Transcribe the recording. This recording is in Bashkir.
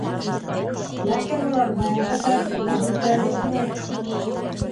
Ләкин улар баяғы Шәрифулла һүҙҙәре ине.